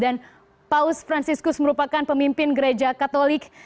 dan paus franchous merupakan pemimpin gereja katolik